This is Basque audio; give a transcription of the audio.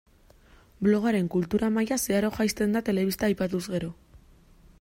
Blogaren kultura maila zeharo jaisten da telebista aipatuz gero.